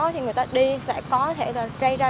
thì người ta đi sẽ có thể rơi ra